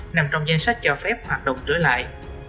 nằm trong danh sách cho phép hoạt động trở lại